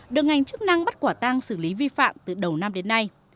được ngành chức năng bắt quả tang xử lý vi phạm từ đầu năm đến nay